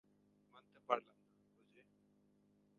মানতে পারলাম না, ওজে।